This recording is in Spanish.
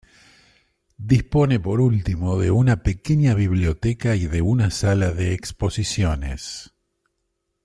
Dispone, por último, de una pequeña biblioteca y de una sala de exposiciones.